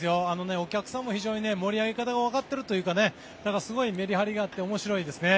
お客さんも非常に盛り上げ方がわかっているというかすごいメリハリがあって面白いですね。